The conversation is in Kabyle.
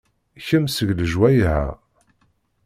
Kemm seg lejwayeh-a?